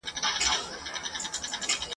چي پخوا د بوډۍ ټال وو اوس غروب وینم په خوب کي ..